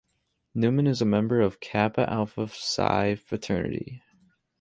Newman is a member of Kappa Alpha Psi fraternity.